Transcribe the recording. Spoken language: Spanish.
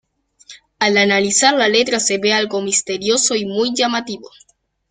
Al analizar la letra se ve algo misterioso y muy llamativo.